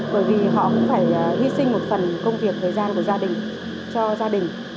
bởi vì họ cũng phải hy sinh một phần công việc thời gian của gia đình cho gia đình